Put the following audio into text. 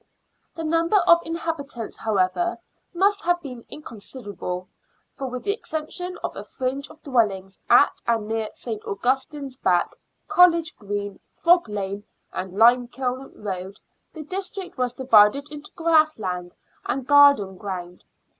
The number of inhabitants, however, must have been inconsiderable, for with the exception of a fringe of dwellings at and near St. Augustine's Back, College Green, Frog Lane, and Limekiln Road, the district was divided into grass land and garden ground.